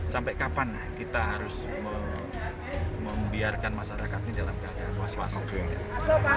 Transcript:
sampai kapan kita harus membiarkan masyarakat ini dalam keadaan was was